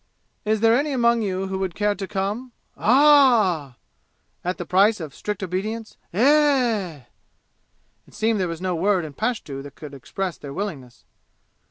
"Is there any among you who would care to come ?" "Ah h h h!" " at the price of strict obedience?" "Eh h h h h!" It seemed there was no word in Pashtu that could express their willingness.